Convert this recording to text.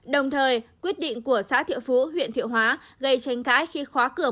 đồng thời quyết định của xã thiệu phú huyện thiệu hóa gây tranh cãi khi khóa cửa